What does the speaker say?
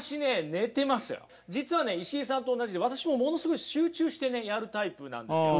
実はね石井さんと同じで私もものすごい集中してねやるタイプなんですよ。